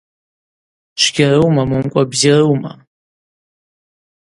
Чвгьарума момкӏва бзирума?